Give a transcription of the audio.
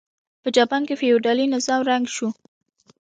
په جاپان کې فیوډالي نظام ړنګ شو.